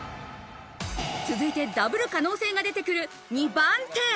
続いてダブる可能性が出てくる２番手。